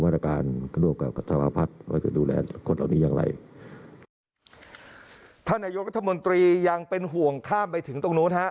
ท่านนายุทธมนตรียังเป็นห่วงข้ามไปถึงตรงนู้นฮะ